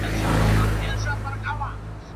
راتلونکي څېړني به دقيقې وي.